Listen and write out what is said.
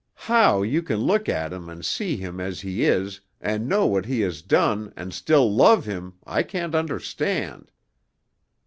How you can look at him and see him as he is and know what he has done and still love him, I can't understand.